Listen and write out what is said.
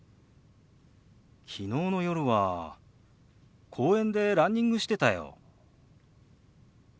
昨日の夜は公園でランニングしてたよ。